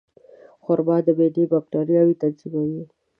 خرما د معدې باکتریاوې تنظیموي.